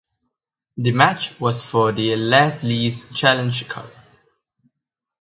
The match was for the Les Lees Challenge Cup.